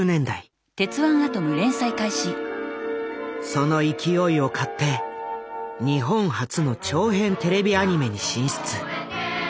その勢いをかって日本初の長編テレビアニメに進出。